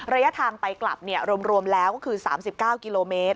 ระยะทางไปกลับรวมแล้วก็คือ๓๙กิโลเมตร